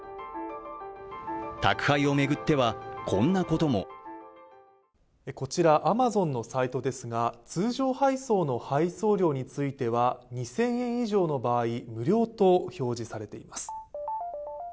宅配を巡ってはこんなこともこちらアマゾンのサイトですが通常配送の配送料については２０００円以上の場合、無料と表示されています。